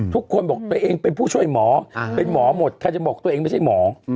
ทุกคนบอกตัวเองเป็นผู้ช่วยหมอเป็นหมอหมดใครจะบอกตัวเองไม่ใช่หมอ